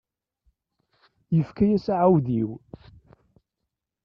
Yefka-yas aɛudiw.